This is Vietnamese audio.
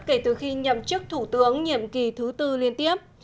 kể từ khi nhậm chức thủ tướng nhiệm kỳ thứ tư liên tiếp